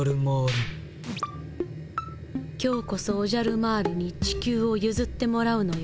今日こそオジャルマールに地球をゆずってもらうのよ